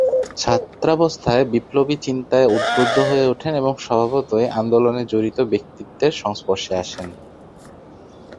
ছাত্রাবস্থায় বিপ্লবী চিন্তায় উদ্বুদ্ধ হয়ে ওঠেন এবং স্বভাবতই আন্দোলনে জড়িত ব্যক্তিত্বের সংস্পর্শে আসেন।